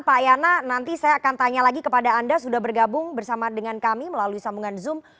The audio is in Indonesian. pak yana nanti saya akan tanya lagi kepada anda sudah bergabung bersama dengan kami melalui sambungan zoom